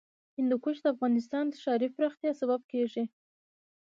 هندوکش د افغانستان د ښاري پراختیا سبب کېږي.